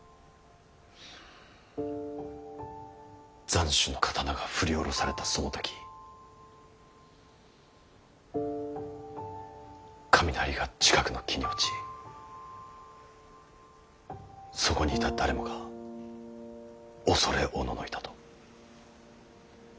斬首の刀が振り下ろされたその時雷が近くの木に落ちそこにいた誰もが恐れおののいたと。